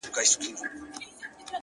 د رڼاگانو شيسمحل کي به دي ياده لرم ـ